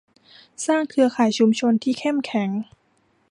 สร้างเครือข่ายชุมชนที่เข้มแข็ง